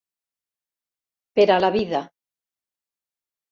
Per a la vida.